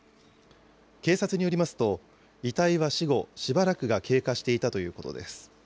警察によりますと、遺体は死後しばらくが経過していたということです。